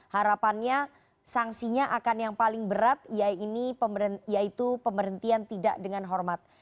harapannya sanksinya akan yang paling berat yaitu pemberhentian tidak dengan hormat